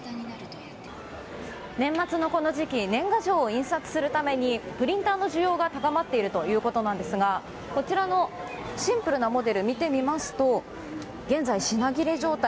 年末のこの時期、年賀状を印刷するためにプリンターの需要が高まっているということなんですが、こちらのシンプルなモデル見てみますと、現在、品切れ状態。